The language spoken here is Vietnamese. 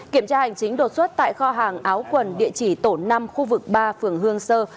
kiểm tra hành chính đột xuất tại kho hàng áo quần địa chỉ tổ năm khu vực ba phường hương sơ